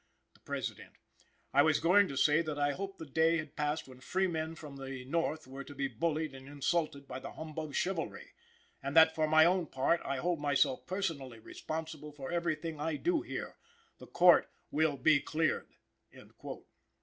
"The President. I was going to say that I hoped the day had passed when freemen from the North were to be bullied and insulted by the humbug chivalry; and that, for my own part, I hold myself personally responsible for everything I do here. The Court will be cleared."